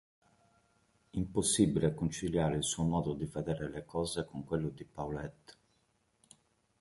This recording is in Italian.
Impossibile conciliare il suo modo di vedere le cose con quello di Paulette.